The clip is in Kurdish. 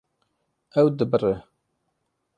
Ew dibire.